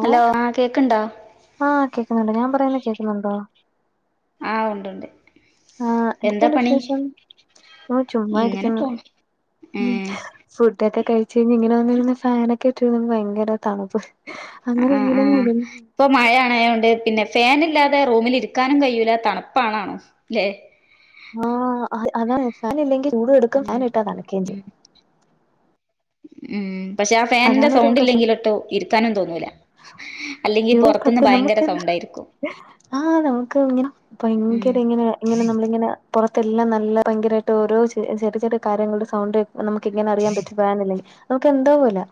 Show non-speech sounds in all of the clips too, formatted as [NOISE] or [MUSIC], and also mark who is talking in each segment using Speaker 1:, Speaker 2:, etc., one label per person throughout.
Speaker 1: Hello ആഹ് കേക്ക്ണ്ടാ
Speaker 2: ആഹ് കേക്കുന്നുണ്ട് ഞാൻ പറയുന്ന കേക്കുന്നുണ്ടോ
Speaker 1: ആഹ് ഉണ്ടുണ്ട്
Speaker 2: ആഹ് എന്തൊക്കെയുണ്ട് വിശേഷം ആഹ്
Speaker 1: ഇങ്ങനെ
Speaker 2: ചുമ്മായിരിക്കുന്ന്
Speaker 1: പോണ്
Speaker 2: ഉം
Speaker 1: ഏഹ്
Speaker 2: ഫുഡൊക്കെ കഴിച്ച് കഴിഞ്ഞിങ്ങനെ വന്നിരുന്ന് ഫാനൊക്കെ ഇട്ടിരുന്ന് ഭയങ്കര തണുപ്പ് അങ്ങനെ
Speaker 1: ആഹ് ആഹ്
Speaker 2: ഇങ്ങനെയങ്ങിരുന്ന്
Speaker 1: ഇപ്പൊ മയ ആണായോണ്ട് പിന്നെ ഫേനില്ലാതെ റൂമിലിരിക്കാനും കഴിയൂല തണുപ്പാണാണോ ല്ലേ
Speaker 2: ആഹ് അതെ അതാണ് ഫാനില്ലെങ്കി ചൂടു എടുക്കും
Speaker 1: ഉം
Speaker 2: ഫാനിട്ടാ തണ്ക്കേം
Speaker 1: ഉം
Speaker 2: ചെയ്യും
Speaker 1: ഉം പക്ഷെ ആ ഫാനിന്റെ
Speaker 2: അതാണ് ഒരു
Speaker 1: സൗണ്ട്
Speaker 2: പ്രശ്നം
Speaker 1: ഇല്ലെങ്കിലെട്ടോ ഇരിക്കാനും തോന്നൂല അല്ലെങ്കി
Speaker 2: യ്യോ പറ്റ
Speaker 1: പൊറത്തുന്ന് ഭയങ്കര
Speaker 2: നമുക്കെന്നാ
Speaker 1: സൗണ്ടായിരി
Speaker 2: ആഹ് നമുക്ക് ഇങ്ങനെ
Speaker 1: ഉം
Speaker 2: ഭയങ്കര ഇങ്ങനെ ഇങ്ങനെ നമ്മളിങ്ങനെ പുറത്തെല്ലാം നല്ല ഭയങ്കരായിട്ടോരോ ചെ ചെറിയ ചെറിയ കാര്യങ്ങളുടെ സൗണ്ട് നമുക്ക് ഇങ്ങനെ അറിയാൻ പറ്റും ഫാനില്ലെങ്കിൽ നമുക്ക് എന്തോ പോലാ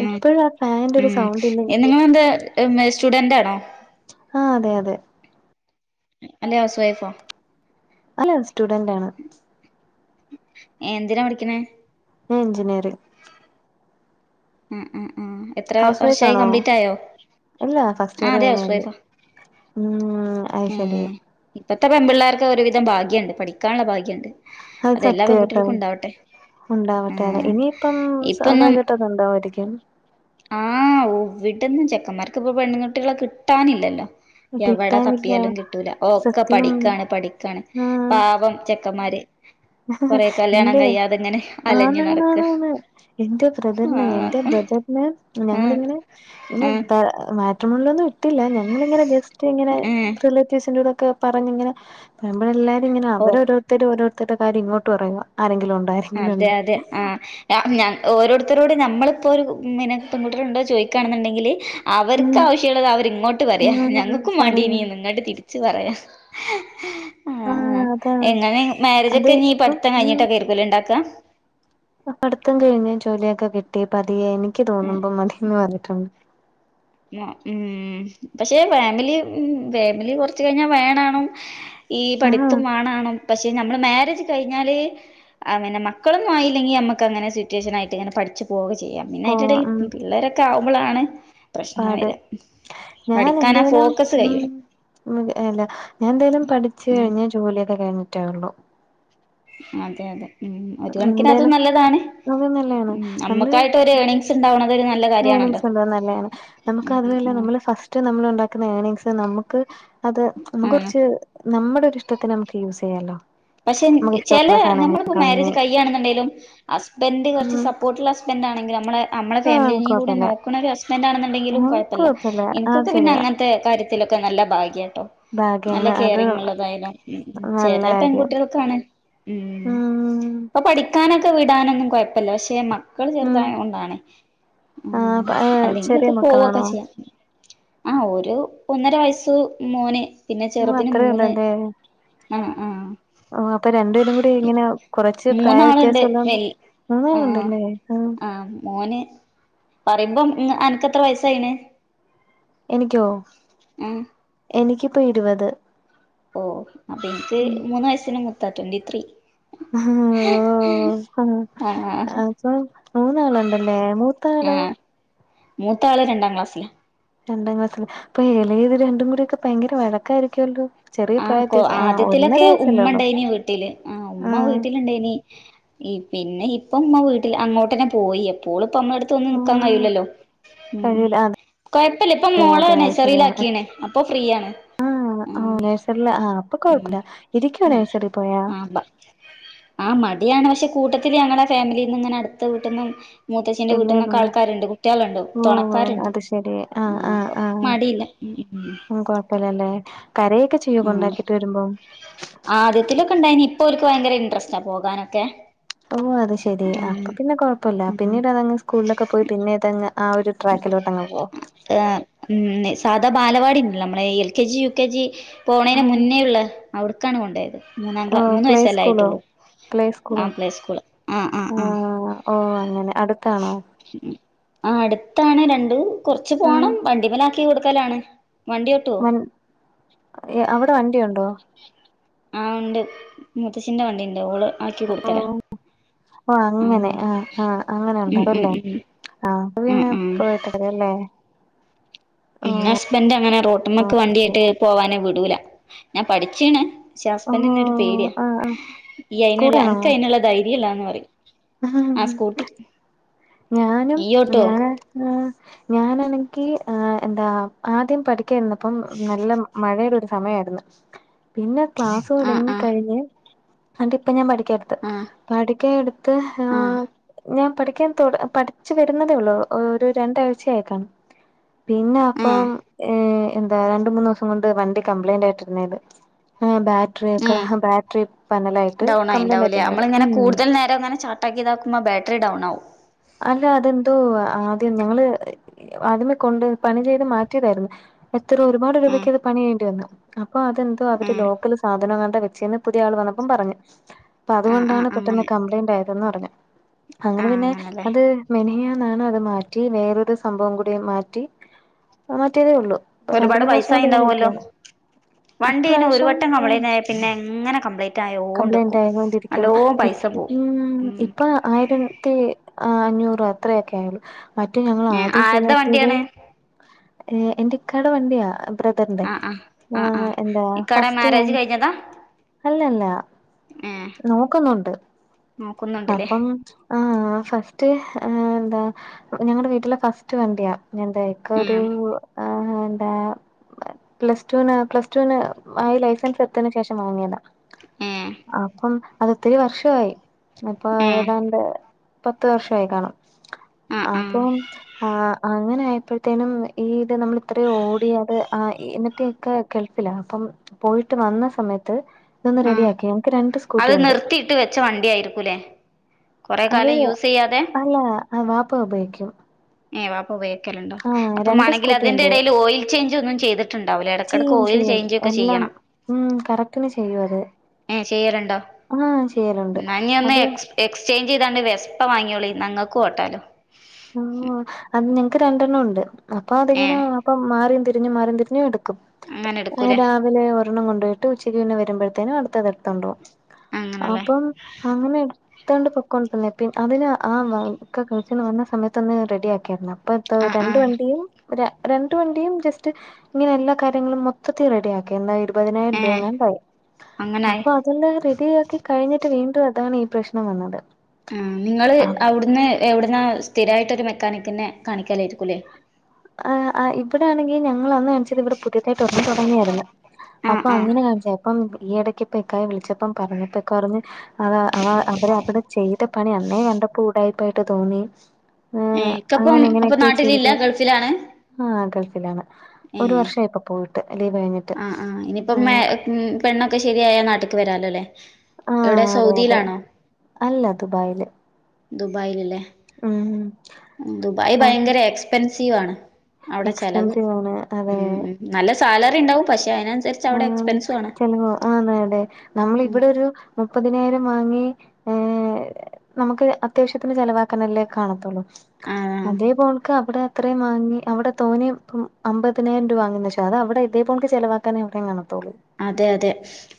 Speaker 1: ഉം
Speaker 2: എപ്പഴും ആ പാന്റൊരു
Speaker 1: ഉം എ നിങ്ങളെന്ത് എമ്മേ സ്റ്റുഡൻ്റാണോ
Speaker 2: ആഹ് അതെയതെ
Speaker 1: അല്ലേ ഹൗസ് വൈഫോ
Speaker 2: അല്ല സ്റ്റുഡൻ്റാണ്
Speaker 1: ഏന്തിനാ പഠിക്കുന്നേ
Speaker 2: എഞ്ചിനീയറിംഗ്
Speaker 1: ആഹ് ആഹ് ആഹ് എത്ര
Speaker 2: ഹൗസ്
Speaker 1: വർഷായി
Speaker 2: വൈഫാണോ
Speaker 1: കംപ്ലീറ്റ് ആയോ
Speaker 2: ഇല്ലാ
Speaker 1: ആഹ്
Speaker 2: ഫസ്റ്റിയറ്
Speaker 1: അതെ ഹൗസ്
Speaker 2: കഴിഞ്ഞേയുള്ളു
Speaker 1: വൈഫാ
Speaker 2: ഉം അയ്ശരി
Speaker 1: ഉം ഇപ്പത്തെ പെൺപിള്ളേർക്ക് ഒരുവിധം ഭാഗ്യണ്ട് പഠിക്കാന്ള്ള ഭാഗ്യണ്ട്
Speaker 2: അത്
Speaker 1: അതെല്ലാ
Speaker 2: സത്യാട്ടോ
Speaker 1: പെൺകുട്ടികൾക്കും ഉണ്ടാവട്ടെ
Speaker 2: ഉണ്ടാവട്ടെ അതെ
Speaker 1: ഉം
Speaker 2: ഇനിയിപ്പം
Speaker 1: ഇപ്പൊന്നും
Speaker 2: സ്വാഭാവികായിട്ടത് ഉണ്ടാവാരിക്കും
Speaker 1: ആഹ് ഓ വിടന്നും ചെക്കമ്മാര്ക്കിപ്പോ പെണ്ണ്ങ്‌കുട്ടികള കിട്ടാനില്ലല്ലോ എവട
Speaker 2: കിട്ടാനില്ല
Speaker 1: തപ്പിയാലും കിട്ടൂല ഓ ഒക്ക
Speaker 2: സത്യം
Speaker 1: പഠിക്ക്ആണ് പഠിക്ക്ആണ് പാവം ചെക്കമ്മാര്
Speaker 2: എൻ്റെ
Speaker 1: അലഞ്ഞു നടക്ക
Speaker 2: ആണാണാണാണ് എന്റെ ബ്രദറിനേ എൻ്റെ
Speaker 1: ആഹ്
Speaker 2: ബ്രദർ ന്നേ
Speaker 1: ആഹ്
Speaker 2: ഞങ്ങളിങ്ങനെ ഇങ്ങനെ
Speaker 1: ആഹ്
Speaker 2: ബാ മാട്രിമോണീലൊന്നും ഇട്ടില്ല ഞങ്ങളിങ്ങനെ ജസ് റ്റിങ്ങനെ
Speaker 1: ആഹ്
Speaker 2: റിലേറ്റീവ്സിൻ്റോടൊക്കെ പറഞ്ഞിങ്ങനെ നമ്മളെല്ലാരു ഇങ്ങനെ
Speaker 1: ഓ
Speaker 2: അവരോരോരുത്തരും ഓരോ റ്റത്തെ കാര്യം ഇങ്ങോട്ട് പറയുവാ ആരെങ്കിലും ഉണ്ടായ
Speaker 1: അതെയതെ ആഹ് അ ഉം ഞാൻ ഓരോരുത്തരോട് ഞമ്മളിപ്പോ ഒരു പിന്നെ പെൺകുട്ടര്ണ്ടോ ചോയിക്കാണെന്ന്ണ്ടെങ്കില്
Speaker 2: ഉം
Speaker 1: അവര്ക്കാവശ്യുള്ളത് അവരിങ്ങോട്ട് പറയാ
Speaker 2: ആഹ്
Speaker 1: ഞങ്ങക്കും
Speaker 2: പറയും
Speaker 1: വാണ്ടീനീന്നിങ്ങട്ട് തിരി ച്ച് പറയാ ആഹ് ആഹ് എങ്ങനെയിങ്ങ്
Speaker 2: അത്
Speaker 1: മാരേജൊക്കെ ഇനീ
Speaker 2: ഇപ്പം
Speaker 1: പഠിത്തം കഴിഞ്ഞിട്ടൊക്കേരിക്കുവല്ലേ ഇണ്ടാക്കാ
Speaker 2: പഠിത്തം കഴിഞ്ഞ് ജോലിയൊക്കെ കിട്ടി പതിയെ എനിക്ക്
Speaker 1: ഉം
Speaker 2: തോന്നുമ്പം മതീന്ന് പറഞ്ഞിട്ടുണ്ട്
Speaker 1: മാ ഉം പക്ഷേ ഫാമിലി ഉം ഫാമിലി കൊറച്ച് കഴിഞ്ഞാ വേണാണും ഈ
Speaker 2: ആഹ്
Speaker 1: പഠിത്തും വാണാണും പക്ഷേ ഞമ്മള് മാരേജ് കഴിഞ്ഞാല് ആഹ് പിന്നെ മക്കളൊന്നു ആയില്ലെങ്കി ഞമ്മക്കങ്ങനെ സിറ്റുവേഷനായിട്ടിങ്ങനെ പഠിച്ച് പോക ചെയ്യാം പിന്നെ
Speaker 2: പോ
Speaker 1: അയിൻ്റെടേല്
Speaker 2: ഉം
Speaker 1: പിള്ളേരൊക്കെ ആവുമ്പളാണ്
Speaker 2: പാട്
Speaker 1: പഠിക്കാൻ ആ
Speaker 2: ഞാനെന്തേലും
Speaker 1: ഫോക്കസ്
Speaker 2: ഉം
Speaker 1: കഴിയണം
Speaker 2: ഉം ഏ അല്ല ഞാനെന്തായാലും പഠിച്ച്
Speaker 1: ഉം
Speaker 2: കഴിഞ്ഞ് ജോലിയൊക്കെ കഴിഞ്ഞിട്ടേ ഒള്ളൂ
Speaker 1: അതെയതെ ഉം ഒരു കണക്കിനതും
Speaker 2: എന്തേലും
Speaker 1: നല്ലതാണ്
Speaker 2: അത് നല്ലയാണ്
Speaker 1: ഉം
Speaker 2: നമ്മള്
Speaker 1: നമ്മക്കായിട്ടൊരേണിങ് [INAUDIBLE]
Speaker 2: ഏണിങ്സ് ഉള്ളത് നല്ലതാണ് നമുക്ക്
Speaker 1: ഉം
Speaker 2: അത്ല്ല
Speaker 1: ഉം
Speaker 2: നമ്മള് ഫസ്റ്റ് നമ്മൾ ഉണ്ടാക്കുന്ന ഏണിങ്സ് നമുക്ക് അത് നമുക്ക്
Speaker 1: ആഹ്
Speaker 2: കുറച്ച് നമ്മുടൊരിഷ്ടത്തിന്. നമുക്ക് യൂസ് ചെയ്യാലോ?
Speaker 1: പക്ഷെ
Speaker 2: നമുക്ക്
Speaker 1: ചെല
Speaker 2: ഇഷ്ടമുള്ള സാധനങ്ങളൊക്കെ
Speaker 1: നഞമ്മളിപ്പോ
Speaker 2: വാങ്ങി
Speaker 1: മാരേജ് കയ്യയാണെന്നുണ്ടെിലും ഹസ്ബൻഡ് കുറച്ച്
Speaker 2: ഉം
Speaker 1: സപ്പോർട്ട്ള്ള ഇപ്പോ എന്താെങ്കിൽ നമ്മളൊ നമ്മളെ
Speaker 2: ആഹ്
Speaker 1: ഫാമിലിനികൂടി
Speaker 2: കൊഴപ്പല്ല
Speaker 1: നോക്കണ ഒരു ഹസ്ബൻറ് ആണെന്നണ്ടെങ്കിലും
Speaker 2: ഉം
Speaker 1: കുഴപ്പില്ല.
Speaker 2: കൊഴപ്പല്ല അത്
Speaker 1: എനിക്കൊക്കെ പിന്നെ
Speaker 2: ശരിയാ
Speaker 1: അങ്ങനത്തെ കാര്യത്തി ചെലർക്ക് നല്ല ഭാഗ്യ കേട്ടോ നല്ല
Speaker 2: ഭാഗ്യാണ് അത്
Speaker 1: കെയറിങ്ള്ളതായാലും ഉ ചൊ
Speaker 2: നല്ല കാര്യം
Speaker 1: പെൺകുട്ടികൾക്കാണ് ഉം
Speaker 2: ഉം
Speaker 1: ഇപ്പൊ പഠിക്കാനൊക്കെ വിടാനൊന്നും കുഴപ്പില്ല. പക്ഷെ മക്കൾ
Speaker 2: ഉം
Speaker 1: ചെറുതായോണ്ടാണ്. ഉം
Speaker 2: ആഹ് ചെറിയ
Speaker 1: അല്ലെങ്കിലൊക്കെ പോവൊക്കെ
Speaker 2: മക്കളാണോ
Speaker 1: ചെയ്യാം. ആഹ് ഒരു ഒന്നര വയസ്സ് മോന് പിന്നെ
Speaker 2: ഓ
Speaker 1: ചെറുതിന്
Speaker 2: അത്രേ
Speaker 1: മൂന്ന്. ആഹ് ആഹ്
Speaker 2: ഓഹ് അപ്പൊ രണ്ടുപേരും കൂടി ഇങ്ങനെ കൊറച്ച് പ്രായ
Speaker 1: മൂന്നാളുണ്ട്
Speaker 2: വ്യത്യാസം ഉള്ള
Speaker 1: വെൽ
Speaker 2: മുന് ആള്
Speaker 1: ആഹ്
Speaker 2: ണ്ടല്ലേ ആഹ്
Speaker 1: മോന് പറയുമ്പം അനക്ക്ത്ര വയസായിണ്.
Speaker 2: എനിക്കോ
Speaker 1: ആഹ്
Speaker 2: എനിക്കിപ്പോ ഇരുപത്.
Speaker 1: ഓ അപ്പൊ എനിക്ക്
Speaker 2: ഉം
Speaker 1: മൂന്ന് വയസിന് മുത്ത ട്വന്റി ത്രീ.
Speaker 2: ആഹ് ഒഹ് ഓഹ്
Speaker 1: ആഹ് ആഹ്
Speaker 2: അ അപ്പം മൂന്നാളുണ്ടല്ലേ മൂത്താളോ?
Speaker 1: മൂത്ത ആള് രണ്ടാം ക്ലാസ്സില്.
Speaker 2: രണ്ടാം ക്ലാസില് ഇപ്പൊ എളയത് രണ്ടും കൂടി ഒക്കെ ഭയങ്കര വഴക്കായിരിക്കുവല്ലോ? ചെറിയ
Speaker 1: ആഹ
Speaker 2: പ്രായ
Speaker 1: കൊ
Speaker 2: വ്യത്യാസം ആ ഒന്നര
Speaker 1: ആദ്യത്തിലൊക്കെ
Speaker 2: വയസ്സല്ലേ
Speaker 1: ഉമ്മ
Speaker 2: ഉള്ളൂ
Speaker 1: ഉണ്ടൈനി വീട്ടില് ആ ഉമ്മ വീട്ടിലിണ്ടേനി. പിന്നെ ഇപ്പംമ്മ വീട്ടിൽ അങ്ങോട്ട്ന്നെ പോയി. എപ്പോളും ഇപ്പ നമ്മളടു തോന്നും
Speaker 2: ഓ
Speaker 1: നിക്കാൻ കഴൂലല്ലോ ഉം
Speaker 2: കഴിയൂല അതെ
Speaker 1: കുഴപ്പമില്ല ഇപ്പം മോള്
Speaker 2: അതെ അത്
Speaker 1: നഴ്സറിയില
Speaker 2: ശരിയാണ്
Speaker 1: ആക്കീണ് അപ്പോ ഫ്രീ ആണ്.
Speaker 2: ആ ആ നഴ്സറിയില ആ അപ്പൊ കൊഴപ്പമില്ല ഇരിക്കുവ നഴ്സറിൽ പോയാ.
Speaker 1: [INAUDIBLE] ആ മടിയാണ് പക്ഷെ കൂട്ടത്തില് ഞങ്ങളെ ഫാമിലിന്ന് ഇങ്ങനെ അടുത്ത വിടീന്. മൂത്തചിന്റെ വീട്ടിൽ നിന്നൊക്കെ
Speaker 2: പിള്ളേരുണ്ട്
Speaker 1: ആൾക്കാരുണ്ട്. കുട്ടികളുണ്ട്
Speaker 2: ഓ ഓ
Speaker 1: തുണക്കാരുണ്ട്
Speaker 2: അത് ശെരി
Speaker 1: ആ
Speaker 2: ആഹ്
Speaker 1: അപ്പ മടിയില്ല. ഉം ഉം
Speaker 2: കുഴപ്പലല്ലേ കരയെക്കെ
Speaker 1: ഉം ആദ്യത്തിലൊക്കെ ഇണ്ടായിന് ഇപ്പൊ ഒള്ക്ക് ഭയങ്കര ഇൻട്രസ്റ്റാ പോകാനൊക്കെ.
Speaker 2: ഓഹ് അത് ശെരി
Speaker 1: ഉം
Speaker 2: അപ്പൊ പിന്നെ കുഴപ്പല്ലല്ല
Speaker 1: ഉം
Speaker 2: പിന്നീട് അതങ്ങ് സ്കൂളിലൊക്കെ പോയി. പിന്നെ ഇതങ്ങ് ആ ഒരു ട്രാക്കിലോട്ട്ങ് പോവും.
Speaker 1: എ ഉം സാധാ ബാലവാടി ഉണ്ടല്ലോ നമ്മളെ L K G, U K G. പോണേന്
Speaker 2: ആഹ്
Speaker 1: മുന്നേ ഉള്ള അവിടുക്കാണ് കൊണ്ടയത് മൂന്നാം ക്ലാ മൂന്ന വയസല്ലേ ആയിട്ടുള്ളൂ.
Speaker 2: പ്ളോ സ്കൂളോ
Speaker 1: ആഹ് പ്ലേ സ്കൂള് ആഹ്
Speaker 2: ആഹ് ഓ അങ്ങനെ അടുത്താണോ
Speaker 1: ആഹ് അടുത്താണ് രണ്ടും കുറച്ച്
Speaker 2: ഉം
Speaker 1: പോണം വണ്ടിമല് ആക്കി കൊടുക്കലാണ്. വണ്ടി ഓട്ടുവോ
Speaker 2: വൻ അവിടെ വണ്ടിയുണ്ടോ
Speaker 1: ആഹ് ഉണ്ട് മുത്തചിന്റെവണ്ടിണ്ട് ഓള് ആക്കി
Speaker 2: ഓ
Speaker 1: കൊടുക്കല.
Speaker 2: ഓ
Speaker 1: ആ
Speaker 2: അങ്ങനെ ആഹ് ആഹ് അങ്ങനെ
Speaker 1: ഉം ഉം
Speaker 2: ഉണ്ടാവല്ലേ
Speaker 1: ഉം
Speaker 2: ആ അത് പിന്നെ. [UNINTELLIGIBLE]
Speaker 1: ന്നെ
Speaker 2: ഓ
Speaker 1: ഹസ്ബൻഡ് അങ്ങനെ റോഡ്മ്മക്ക് വണ്ടിയട്ട് പോവാന് വിടൂല ഞാൻ പഠിച്ചിണ് പക്ഷേ
Speaker 2: ഓ
Speaker 1: ഹസ്ബൻഡ് ന് ഒരു പേടിയാ
Speaker 2: ആഹ് ആഹ്
Speaker 1: ഈ അയിനിള്ള ആനക്ക് അതിനുള്ള ധൈര്യം ഇല്ലാന്ന് പറയും.
Speaker 2: ആഹ്
Speaker 1: ആ സ്കൂട്ടി
Speaker 2: ഞാനും
Speaker 1: ഇയ്യോട്ടോ
Speaker 2: ഞൻ ആ ഞാനാണെങ്കി എന്താ ആദ്യം പഠി ഒക്കെന്ന്പ്പം നല്ല മഴയുടെ ഒരു സമയമായിരുന്നു. പിന്നെ ക്ലാസ്സ്
Speaker 1: ആ
Speaker 2: തുടങ്ങി
Speaker 1: ആ
Speaker 2: കഴിഞ്ഞ് വട്ടി ഇപ്പ ഞാൻ പഠിക്ക എടുത്ത്.
Speaker 1: ആ
Speaker 2: പഠിക്കാ എടുത്ത അ്
Speaker 1: ആ
Speaker 2: ഞാൻ പഠിക്കാൻ തു പഠിച്ചു വരുന്നതേ ഉള്ളൂ ഒരു രണ്ടാഴ്ചയക്കാണ്. പിന്നെ
Speaker 1: ആ
Speaker 2: അപ്പം ഏ ന്താ രണ്ട മൂന്ന് ദിവസം കൊ വണ്ടി കപ്ലയ്ന്റ് ആയിട്ടിരുന്ന ബ ഒഒക്കെ
Speaker 1: ഉം
Speaker 2: ബാറ്ററി പനല ആയിട്ട്
Speaker 1: ഡൗൺ
Speaker 2: കംപ്ലൈന്റ് ആയിട്ട്
Speaker 1: ആയിണ്ടാവൂലേ
Speaker 2: തന്ന ഉ
Speaker 1: നമ്മളിങ്ങനെ കൂടുതൽ നേരം അങ്ങനെ ചാർട്ടാക്കിയ ഇതാക്ക്പ ബറ്ററി ഡൗൺ ആകും
Speaker 2: അല്ല അതെന്തോ ആദ്യം ങ്ങള് ആദ്യമേ കൊണ്ട് പണി ചെയ്ത് മാറ്റിയതായിരുന്നു എത്ര ഒരുപാട്
Speaker 1: ഉം
Speaker 2: രൂപയ്ക്ക് അത് പണിയേണ്ടി വന്നു അപ്പോ അതെന്തോ അവര്
Speaker 1: ഉം
Speaker 2: ലോക്കൽ സാധനം കണ്ട വെച്ചന്ന് പുതിയ ആൾ വന്നപ്പം പറഞ്ഞു അപ്പൊ
Speaker 1: ആ ആ
Speaker 2: അതുകൊണ്ടാണ് പെട്ടെന്ന്
Speaker 1: അങ്ങനെ
Speaker 2: കംപ്ലൈന്റ് ആയതെന്ന് പറഞ്ഞു
Speaker 1: ആ
Speaker 2: അങ്ങനെ പിന്നെ
Speaker 1: അങ്ങനല്ലേ
Speaker 2: മെനിയന്നാണ് അത് മാറ്റി വേറൊരു സംഭവം കൂടി മാറ്റി മാറ്റിയതേ ഉള്ളൂ ഇപ്പൊ രണ്ട്
Speaker 1: ഒരുപാട്
Speaker 2: മൂന്ന് ദിവസം കൊണ്ട് ഇങ്ങനെ
Speaker 1: പൈസായിണ്ടാവല്ലോ
Speaker 2: ഇരിക്കുവാണ്
Speaker 1: വണ്ടി അയ്ന് ഒരു
Speaker 2: ഇപ്രാവശ്യം
Speaker 1: വട്ടം
Speaker 2: ആ
Speaker 1: കംപ്ലൈന്റ് ആയ പിന്നെ എങ്ങനെ കംപ്ലൈന്റ്
Speaker 2: കംപ്ലൈന്റ്
Speaker 1: ആയോണ്ട്ക്കും
Speaker 2: ആയികൊണ്ടിരിക്കും
Speaker 1: നല്ലോ പൈസ പോവും ഉം
Speaker 2: ആയിരത്തി അഞ്ഞൂറ് അത്രയൊക്കെ ആയുള്ളൂ മറ്റേ ഞങ്ങ
Speaker 1: ഏഹ്
Speaker 2: ആദ്യം
Speaker 1: ആര്ടെ
Speaker 2: ശരിയാക്കിയത
Speaker 1: വണ്ടിയാണ്
Speaker 2: എന്റെ ഇക്കാടെ വണ്ടിയാ ബ്രെ
Speaker 1: ആഹ് ആഹ് ആഹ് ആഹ്
Speaker 2: എന്താ
Speaker 1: ഇക്കാടെ
Speaker 2: ഫസ്റ്റ് ഞാൻ
Speaker 1: മാരേജ് കഴിഞ്ഞതാ
Speaker 2: അല്ലല്ല
Speaker 1: ഏഹ്
Speaker 2: നോക്കുന്നുണ്ട്
Speaker 1: നോക്കുന്നുണ്ട്ല്ലേ
Speaker 2: അപ്പം ആഹ് ഫസ്റ്റ് എന്താ ഞങ്ങളടെ വീട്ടിലെ ഫസ്റ്റ് വണ്ടിയാന്ത ക്ക ഒരു
Speaker 1: ഏഹ്
Speaker 2: ആഹ് എന്താ പ്ലസ്റ്റുന് പ്ലസ് ടുവിന് ആ ലൈസൻസ് എത്തതിന് ശേഷം വാങ്ങിയതാ
Speaker 1: ഏഹ്
Speaker 2: അപ്പം അത്ത്തിരി വർഷമായി. ഇപ്പൊ
Speaker 1: ഏഹ്
Speaker 2: ഏതാണ്ട് പത്ത് വർഷയി കാണും.
Speaker 1: ആഹ് ആഹ്
Speaker 2: അപ്പം ആ അങ്ങനെ ആയപ്പോഴത്തേനും ഈ ഇത് നമ്മള് അത്ര ഓടിയ അത് ആ ഇന്നത്തെെയൊക്കെ ഗൾഫിലാ അപ്പം പോയിട്ട് വന്ന സമയത്ത് ഇതൊന്ന് റെഡിയാക്കി നമക്ക് രണ്ട് സ്കൂട്ടി ഉണ്ട്
Speaker 1: ഇട്ട് വെച്ച വണ്ടി ആയിരിക്കൂല്ലേ കൊറെ
Speaker 2: അത്
Speaker 1: കാലം യൂസ് ചെയ്യാതെ
Speaker 2: അല്ല അ വാപ്പ ഉപയോഗിക്കും
Speaker 1: ഏ വ അപ്പ ഉയോഗക്കലുണ്ടോ
Speaker 2: ആഹ്
Speaker 1: അപ്പം
Speaker 2: രണ്ട്
Speaker 1: ആണെങ്കിൽ
Speaker 2: സ്കൂട്ടി
Speaker 1: അതിന്റെ
Speaker 2: ഉണ്ട്
Speaker 1: ഇടയിൽ ഓയിൽ ചേഞ്ച് ഒന്നും ചെയ്ത് ണ്ടാവില്ലോ ഇടക്കെടെ
Speaker 2: ചെയ്യും
Speaker 1: കോയിൽ
Speaker 2: ചെയ്യും
Speaker 1: ചേഞ്ച ഒക്കെ
Speaker 2: എല്ലാം
Speaker 1: ചെയ്യണം
Speaker 2: ഉം കറക്ടന് ചെയ്യും അത്
Speaker 1: ഏഹ ചെയ്യറുണ്ടോ
Speaker 2: ആഹ് ചെയ്യലുണ്ട്
Speaker 1: എന്ന ഒന്ന്
Speaker 2: അത്
Speaker 1: എക്സ് എക്സ്ചേഞ്ച് ചെയ്താണ്ട് വിസ്പ വാങ്ങോളി ങ്ങൾക്ക്ഒട്ടാലോ
Speaker 2: ആ അത് ഞങ്ങക്ക് രണ്ടെണ്ണം ഉണ്ട് അപ്പൊ അതങ്ങനെ
Speaker 1: ഏഹ്
Speaker 2: ഇപ്പം മാറിം തിരിഞ്ഞും മാറിം തിരിഞ്ഞും ഇട്ക്കും അങ്ങനെ രാ വിലെ ഒരെണ്ണം കൊണ്ടോയിട്ട് ഉച്ചെക്ക് പിന്നെ വെരുമ്പോഴ്ത്തേനും അട്ത്തെത് ഇട്ത്ത് കൊണ്ടോവും
Speaker 1: അങ്ങനെല്ലേ
Speaker 2: അപ്പം അവനെ എട്ത്താണ്ട് പൊക്കോണ്ട് ഇര്ന്നെ പിൻ അവെൻ ആ വാ ഒക്കെ കഴിച്ചാണ്ട് വന്ന് സമയത്തൊന്ന് റെഡി ആക്കിയായ്ര്ന്നു അപ്പ ഇട്ത്ത
Speaker 1: ആഹ്
Speaker 2: രണ്ട്
Speaker 1: ആഹ്
Speaker 2: വണ്ടിയും ര രണ്ട് വണ്ടിയും ജസ്റ്റ് ഇങ്ങനെ എല്ലാ കാര്യങ്ങളും മൊത്ത ത്തി റെഡി ആക്കി എന്നാ ഇരുപതിനായിരം രൂപ
Speaker 1: ഏഹ്
Speaker 2: എങ്ങാണ്ടോ ആയി
Speaker 1: അങ്ങനായി
Speaker 2: അപ്പ ഇതൊന്ന് റെഡി ആക്കി കഴിഞ്ഞ്ട്ട് വീണ്ടും അതാണ് ഈ പ്രശ്നം വന്നെത്
Speaker 1: ആഹ് നിങ്ങെൾ അവുട്ന്ന് എവ്ട്ന്നാ സ്ഥിരായിട്ട് ഒര് മെക്കാനിക്കിനെ കാണിക്കലായിരിക്കും ലെ?
Speaker 2: ആ ഇവിടെ ആണെങ്കിൽ ഞങ്ങ നമ്മെൾ അന്ന് കാണിച്ചെത് ഇവെടെ പുതിയെതായിട്ട് ഒരെണ്ണം തൊടങ്ങിയാര്ന്ന് അപ്പ
Speaker 1: ആഹ് ആഹ്
Speaker 2: അങ്ങനെ കാണ്ച്ചായിര് ഇപ്പം ഈ എടെക്ക് ഇപ്പം ഇക്കായെ വിളിച്ചെപ്പം പറഞ്ഞപ്പം ഇക്ക പറഞ്ഞ് അത് അവ അവെര് അവിടെ ചെയ് ത്തെ പണി അന്നേ കണ്ടപ്പം ഉടായിപ്പ് ആയിട്ട് തോന്നി ആഹ്
Speaker 1: ഏഹ് ഇക്ക അപ്പം
Speaker 2: അങ്ങനെ
Speaker 1: അപ്പം
Speaker 2: ഇങ്ങനെയൊക്കെ
Speaker 1: നാട്ടിൽ
Speaker 2: ചെയ്ത്
Speaker 1: ഇല്ലാ? ഗൾഫിലാണ്
Speaker 2: ആഹ് ഗൾഫിലാണ് ഒരു
Speaker 1: ഏഹ്
Speaker 2: വർഷം ആയി ഇപ്പ പോയിട്ട് ലീവ് കഴിഞ്ഞ്
Speaker 1: ആഹ് ആഹ് ഇനിയിപ്പം മേ ഉം പെണ്ണൊക്കെ ശെരി ആയാ നാട്ട്ക്ക് വെരാലോലെ എവ്ടെ
Speaker 2: ആഹ് അതെ അതെ
Speaker 1: സൗദിലാണോ?
Speaker 2: അല്ല ദുബായില്
Speaker 1: ദുബായിൽ ലെ
Speaker 2: ഉം
Speaker 1: ഉം ദുബായ്
Speaker 2: ആഹ്
Speaker 1: ഭയങ്കര എക്സ്പെൻസീവ് ആണ്. അയുടെ ചെലവ്
Speaker 2: എക്സ്പെൻസീവ് ആണ് അതെ
Speaker 1: ഉം ഉം നല്ല സാലെറി ഇണ്ടാവും പക്ഷെ അയിന് അന്സെര്
Speaker 2: ആഹ് ചെലവോ ആന്ന് ലെ നമ്മെൾ
Speaker 1: ഉം
Speaker 2: ഇവെടെ ഒരു മുപ്പതിനായിരം വാങ്ങി ഏഹ് നമുക്ക് അത്യാവശ്യത്തിന് ചെലവാക്കാന് അല്ലെ കാണത്തൊള്ളു
Speaker 1: ആഹ്
Speaker 2: അതേ പോണ്ക്ക് അവ്ടെ ഇത്രേം വാങ്ങി അവ്ടെ തോനെ ഇപ്പം അമ്പതിനായിരം രൂപ വാങ്ങുന്നെച്ചാ അത് അവ്ടെ ഇതേ പോണ്ക്ക് ചെലെവാ തെന്നെ ഇവ്ടെം കാണത്തൊള്ളു
Speaker 1: അതെ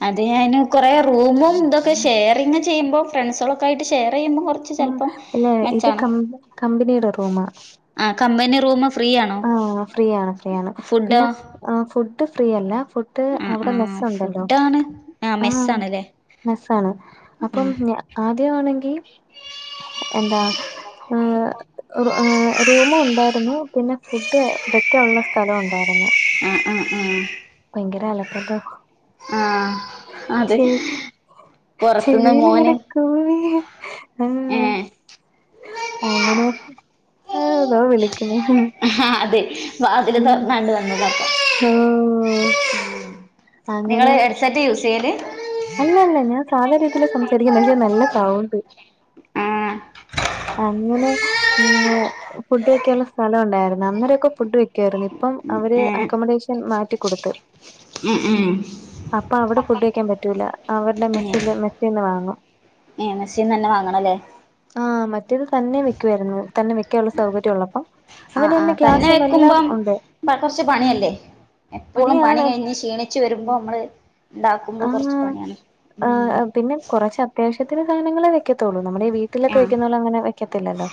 Speaker 1: അതെ അയിന് കൊറേ റൂമും ഇതും ഒക്കെ ഷെയറിങ്ങ് ചെയ്യുമ്പോ ഫ്രണ്ട്സാളൊക്കെ ആയിട്ട് ഷെയെർ ചെയുമ്പോ കൊർച്ച്
Speaker 2: ഉം അല്ല ഇത് കമ്പ കമ്പനിയുടെ റൂമാ
Speaker 1: ആഹ് കമ്പനി റൂമാ
Speaker 2: ആഹ് ഫ്രീയാണ് ഫ്രീയാണ്
Speaker 1: ഫുഡോ
Speaker 2: പിന്നെ ഫു ഫുഡ് ഫ്രീ അല്ല ഫു ഡ്
Speaker 1: ആഹ്
Speaker 2: അവ്ടെ മെസ്സ്
Speaker 1: ആഹ്
Speaker 2: ഉണ്ടല്ലോ
Speaker 1: ഫുഡാണ്
Speaker 2: ആഹ്
Speaker 1: മെസ്സാണല്ലേ
Speaker 2: മെസ്സാണ് അപ്പം
Speaker 1: ആഹ്
Speaker 2: ഞാ ആദ്യവാണെങ്കി എന്താ ഏഹ് റു ഏഹ് റൂമ് ഉണ്ടായിരുന്നു പിന്നെ ഫുഡ് വെക്കായുള്ള സ്ഥലം ഉണ്ടായിരുന്നു
Speaker 1: ആഹ് ആഹ് ആഹ്
Speaker 2: ഭയങ്കര അലപ്പല്ലോ
Speaker 1: ആഹ് അതെ പൊറത്തുന്ന്
Speaker 2: ചെവിയിൽ
Speaker 1: മോന്
Speaker 2: ഇങ്ങനെ കൂവി ആഹ്
Speaker 1: ഏഹ്
Speaker 2: അങ്ങനെ അഹ് ഇതോ വിളിക്ക്ണ്
Speaker 1: ആഹ് അത് വാതിൽ തൊർന്നാണ്ട് വന്ന്
Speaker 2: ഓഹ്
Speaker 1: നിങ്ങെൾ
Speaker 2: അങ്ങനെ
Speaker 1: ഹെഡ്സെറ്റ് യൂസ് ചെയ്യൽ
Speaker 2: അല്ല അല്ല ഞാ സാധാ രീതിയിലാ സംസാരിക്ക്ന്നെ പക്ഷേ നല്ല സൗണ്ട്
Speaker 1: ആഹ്
Speaker 2: അങ്ങനെ ഇന്ന് ഫുഡ് വെക്കായുള്ള സ്ഥലോം ഉണ്ടായിരുന്നു അന്നേരം ഒക്കെ ഫുഡ് വെക്കു ആയിരുന്നു ഇപ്പം അവെര്
Speaker 1: ഏഹ്
Speaker 2: അക്കോമഡേഷെൻ മാറ്റിക്കൊട്ത്ത്
Speaker 1: ഉം
Speaker 2: അപ്പം അവ്ടെ ഫുഡ് വെക്കാൻ പറ്റൂലാ അവര്ടെ മെസ്സില് മെസ്സിന്ന് വാങ്ങും
Speaker 1: ഏഹ് മെസ്സിന്ന് തന്നെ വാങ്ങണം ലെ
Speaker 2: ആഹ് മറ്റെത് തന്നെ വെക്കുവായിരുന്നു തന്നെ വെക്കുവാ ഉള്ള സൗകര്യം ഉള്ളപ്പം
Speaker 1: ആഹ്
Speaker 2: അവരന്നെ
Speaker 1: ആഹ് തന്നെ
Speaker 2: ഗ്യാസും എല്ലാം
Speaker 1: വെക്കുമ്പം
Speaker 2: ഉണ്ട്
Speaker 1: പ കൊർച്ച് പണി അല്ലെ? എപ്പോളും പണി
Speaker 2: പണിയാണ്
Speaker 1: കഴിഞ്ഞ് ക്ഷീണി ച്ച് വെരുമ്പോ നമ്മെൾ ഇണ്ടാക്കുമ്പെൾ കൊർച്ച് പണിയാണ് ഉം
Speaker 2: കൊറച്ച് അത്യാവശ്യത്തിന് സാനങ്ങളെ വെക്കത്തൊള്ളു നമ്മുടെ വീട്ടിലൊക്കെ
Speaker 1: ആഹ്
Speaker 2: വെക്കുന്ന പോലെ അങ്ങനെ വെക്കത്തില്ലല്ലോ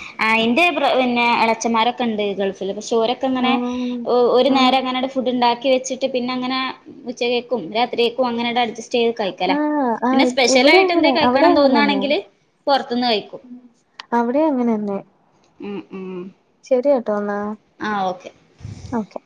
Speaker 1: [UNINTELLIGIBLE] പിന്നെ എളച്ചമ്മാരൊക്കെ ഇണ്ട് ഗൾഫിൽ പക്ഷെ ഓരൊക്കെ ഇങ്ങനെ
Speaker 2: ആഹ്
Speaker 1: ഓ ഒരു
Speaker 2: ആഹ്
Speaker 1: നേരം ഇങ്ങനെ ഇണ്ട് ഫുഡ്ണ്ടാക്കി വെച്ച്ട്ട് പിന്നങ്ങനെ ഉച്ചക്കേക്കും രാത്രിക്കേക്കും അങ്ങനണ്ട് അഡ്ജസ്റ്റ് ചെയ്ത് കയ് ക്കല
Speaker 2: ആഹ്
Speaker 1: പിന്നെ
Speaker 2: ആഹ് ഇവിടെ
Speaker 1: സ്പെഷ്യലായിട്ട് എന്തേലും കഴിക്കണന്ന് തോന്നാണെങ്കില് പുറത്തുന്ന് കഴിക്കും
Speaker 2: അവിടേം അങ്ങനെന്നെ
Speaker 1: ഉം ഉം
Speaker 2: ശെരിയെ ട്ടോന്നാ
Speaker 1: ആ ഓക്കെ
Speaker 2: ഓക്കെ